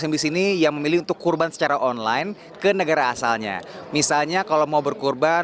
dan memiliki pemandangan yang berharga